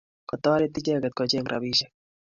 Kotoret icheket kocheng' rapisyek